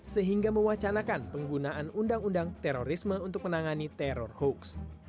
sehingga mewacanakan penggunaan undang undang terorisme untuk menangani teror hoax